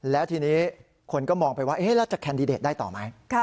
แล้วทีนี้คนก็มองไปว่าแล้วจะแคนดิเดตได้ต่อไหม